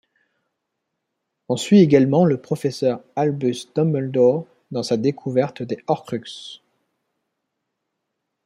On suit également le professeur Albus Dumbledore dans sa découverte des Horcruxes.